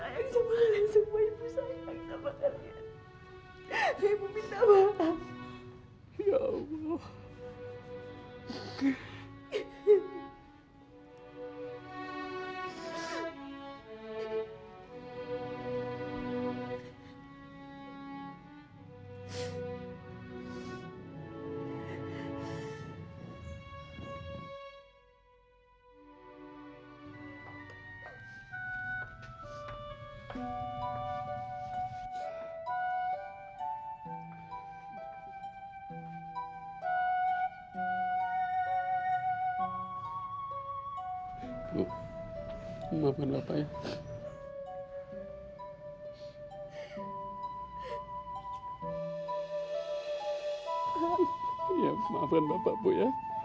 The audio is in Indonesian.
hari ini interacting dengan buddy